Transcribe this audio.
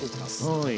はい。